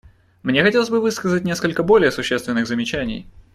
Мне хотелось бы высказать несколько более существенных замечаний.